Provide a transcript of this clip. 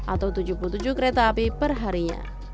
atau tujuh puluh tujuh kereta api perharinya